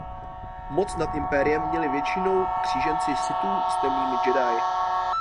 Moc nad Impériem měli většinou kříženci Sithů s temnými Jedi.